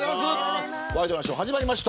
ワイドナショー始まりました。